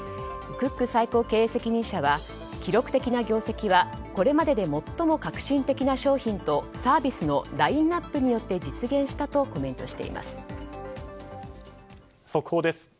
クック最高経営責任者は記録的な業績はこれまでで最も画期的な商品とサービスのラインアップによって実現したとコメントしています。